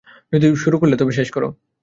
যদি শুরু করলে তবে শেষ করো!